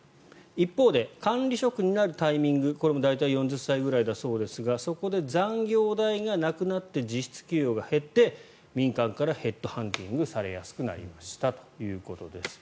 一方で、管理職になるタイミングこれも大体４０歳くらいだそうですがそこで残業代がなくなって実質給与が減って民間からヘッドハンティングされやすくなりましたということです。